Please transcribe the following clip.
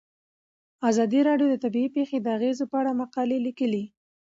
ازادي راډیو د طبیعي پېښې د اغیزو په اړه مقالو لیکلي.